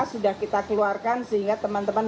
sudah kita keluarkan sehingga teman teman